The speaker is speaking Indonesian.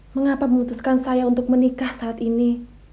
mengapa memutuskan saya untuk menikah saat ini